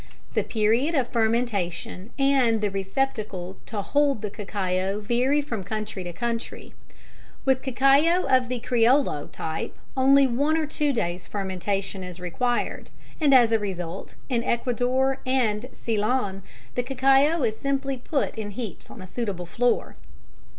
The period of fermentation and the receptacle to hold the cacao vary from country to country. With cacao of the criollo type only one or two days fermentation is required, and as a result, in Ecuador and Ceylon, the cacao is simply put in heaps on a suitable floor.